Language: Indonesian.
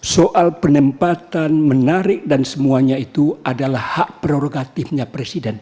soal penempatan menarik dan semuanya itu adalah hak prerogatifnya presiden